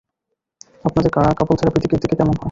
আপনাদের couple therapy দিকে কেমন হয়?